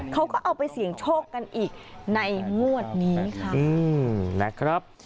เขาก็เอาไปเสี่ยงโชคกันอีกในงวดนี้ค่ะนะครับ